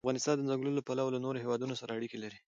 افغانستان د ځنګلونه له پلوه له نورو هېوادونو سره اړیکې لري.